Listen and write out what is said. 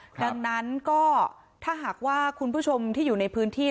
ดังนั้นก็ถ้าหากว่าคุณผู้ชมที่อยู่ในพื้นที่